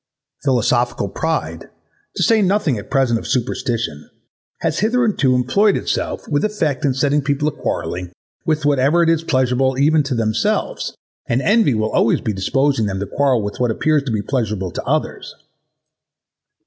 Philosophical pride, to say nothing at present of superstition, has hitherto employed itself with effect in setting people a quarrelling with whatever is pleasurable even to themselves, and envy will always be disposing them to quarrel with what appears to be pleasurable to others.